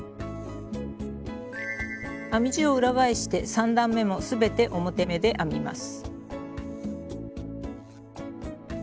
編み地を裏返して３段めも全て表目で編みます。